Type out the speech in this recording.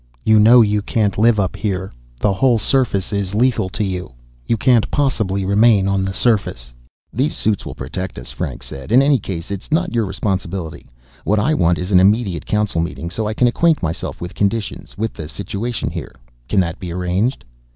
"You know you can't live up here. The whole surface is lethal to you. You can't possibly remain on the surface." "These suits will protect us," Franks said. "In any case, it's not your responsibility. What I want is an immediate Council meeting so I can acquaint myself with conditions, with the situation here. Can that be arranged?"